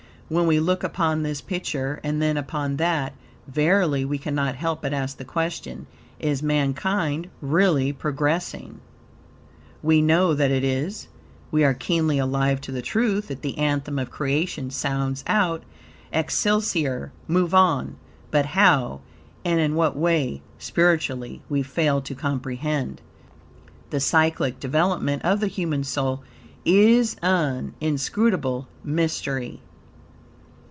When we look upon this picture and then upon that, verily we cannot help but ask the question, is mankind really progressing? We know that it is; we are keenly alive to the truth that the Anthem of Creation sounds out "Excelsior" "move on," but how, and in what way (SPIRITUALLY) we fail to comprehend. The cyclic development of the human soul is an inscrutable mystery.